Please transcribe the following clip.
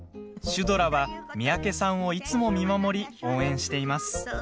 シュドラは三宅さんをいつも見守り応援しています。